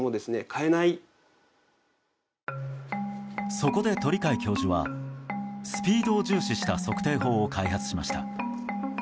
そこで鳥養教授はスピードを重視した測定法を開発しました。